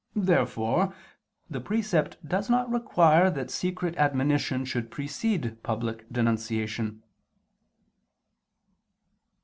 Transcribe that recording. Therefore the precept does not require that secret admonition should precede public denunciation.